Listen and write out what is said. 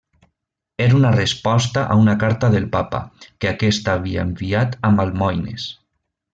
Era una resposta a una carta del papa, que aquest havia enviat amb almoines.